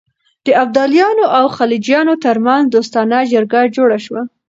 د ابدالیانو او غلجیانو ترمنځ دوستانه جرګه جوړه شوه.